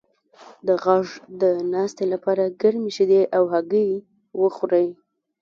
د غږ د ناستې لپاره ګرمې شیدې او هګۍ وخورئ